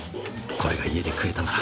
これが家で食えたなら。